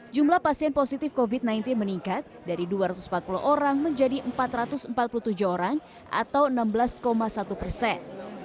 jumlah pasien positif covid sembilan belas meningkat dari dua ratus empat puluh orang menjadi empat ratus empat puluh tujuh orang atau enam belas satu persen